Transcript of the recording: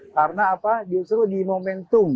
karena apa justru di momentum